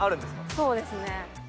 そうですね。